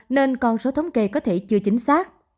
nên con số thống kê có thể chưa chính xác